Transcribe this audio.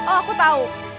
oh aku tahu